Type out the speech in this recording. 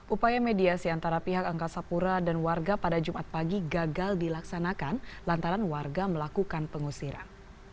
upaya mediasi antara pihak angkasa pura dan warga pada jumat pagi gagal dilaksanakan lantaran warga melakukan pengusiran